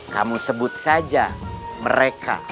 kamu sebut saja mereka